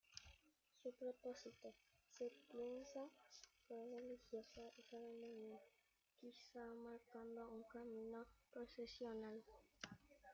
Su propósito, se piensa, fue religioso o ceremonial, quizá marcando un camino procesional.